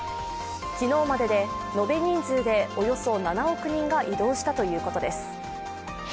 昨日までで延べ人数でおよそ７億人が移動したということです。